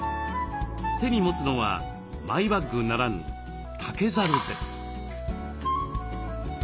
手に持つのはマイバッグならぬ「竹ざる」です。